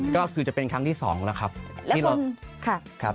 ก็คือจะเป็นครั้งที่๒แล้วครับ